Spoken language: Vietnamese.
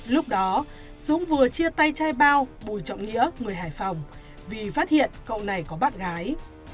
lúc đó dũng vừa chia tay chai bao bùi trọng nghĩa người hải phòng vì phát hiện cậu này có bác gái